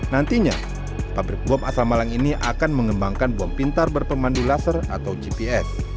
nantinya pabrik bom asal malang ini akan mengembangkan bom pintar berpemandu laser atau gps